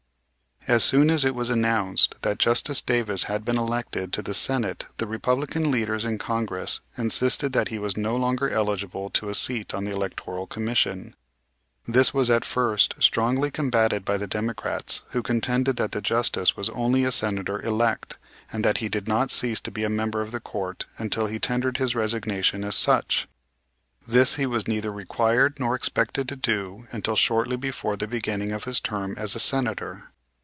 As soon as it was announced that Justice Davis had been elected to the Senate the Republican leaders in Congress insisted that he was no longer eligible to a seat on the Electoral Commission. This was at first strongly combated by the Democrats, who contended that the Justice was only a Senator elect, and that he did not cease to be a member of the Court until he tendered his resignation as such; this he was neither required nor expected to do until shortly before the beginning of his term as a Senator.